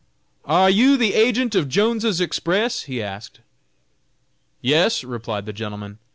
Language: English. "Are you the agent of Jones's Express?" he asked. "Yes," replied the gentleman.